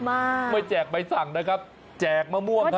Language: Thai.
มากไม่แจกใบสั่งนะครับแจกมะม่วงครับ